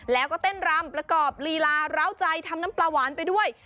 แล้วก็เต้นรำประกอบลีลาร้าวใจทำน้ำปลาหวานไปด้วย